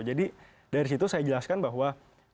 jadi dari situ saya jelaskan bahwa